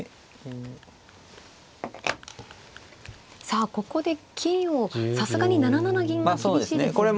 さあここで金をさすがに７七銀は厳しいですよね。